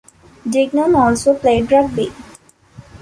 Dignan also played rugby.